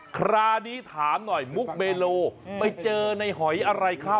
คราวนี้ถามหน่อยมุกเมโลไปเจอในหอยอะไรเข้า